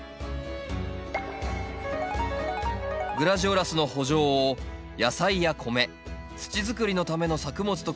グラジオラスの圃場を野菜や米土づくりのための作物と組み合わせ